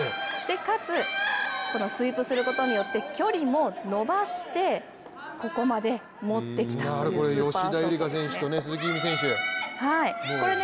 かつスイープをすることによって距離も延ばしてここまで持ってきたというスーパーショットですね。